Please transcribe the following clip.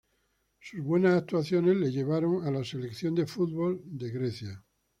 Sus buenas actuaciones le llevaron Selección de fútbol de Grecia.